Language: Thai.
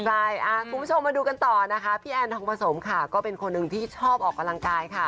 ใช่คุณผู้ชมมาดูกันต่อพี่แอนทองประสงค์ก็เป็นคนที่ชอบออกกำลังกาย